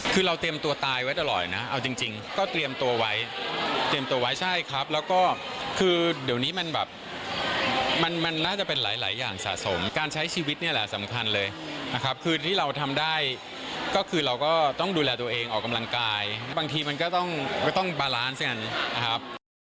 คือเราเตรียมตัวตายไว้ตลอดนะเอาจริงก็เตรียมตัวไว้เตรียมตัวไว้ใช่ครับแล้วก็คือเดี๋ยวนี้มันแบบมันน่าจะเป็นหลายอย่างสะสมการใช้ชีวิตเนี่ยแหละสำคัญเลยนะครับคือที่เราทำได้ก็คือเราก็ต้องดูแลตัวเองออกกำลังกายบางทีมันก็ต้องไม่ต้องบาลานซ์กันนะครับ